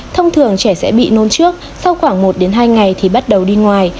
thông thường trẻ sẽ bị nôn trước sau khoảng một đến hai ngày thì bắt đầu đi ngoài